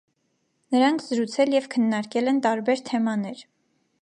Նրանք զրուցել և քննարկել են տարբեր թեմաներ։